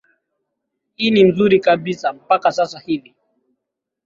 i ni mzuri kabisa mpaka sasa hivi